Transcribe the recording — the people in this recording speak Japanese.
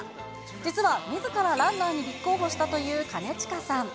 実は、みずからランナーに立候補したという兼近さん。